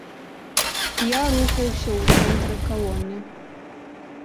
Я рухаўся ў цэнтры калоны.